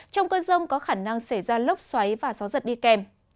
trong cơn rông có khả năng xảy ra lốc xoáy và gió giật đi kèm